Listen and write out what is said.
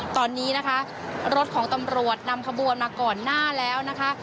ตอนนี้นะคะรถของตำรวจนำขบวนมาก่อนหน้าแล้วนะคะ